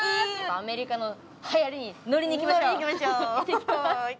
アメリカのはやりに乗りにいきましょう。